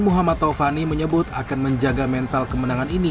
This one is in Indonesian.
semoga di final kita memberikan kemenangan